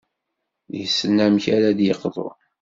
Yessen amek ara d-yeqḍu.